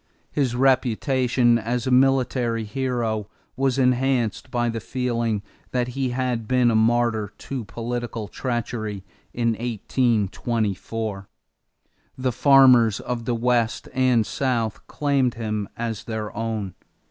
His reputation as a military hero was enhanced by the feeling that he had been a martyr to political treachery in 1824. The farmers of the West and South claimed him as their own.